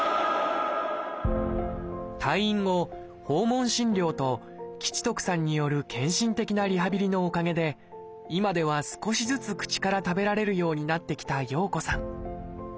退院後訪問診療と吉徳さんによる献身的なリハビリのおかげで今では少しずつ口から食べられるようになってきた洋子さん